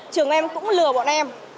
trường em cũng lừa bọn em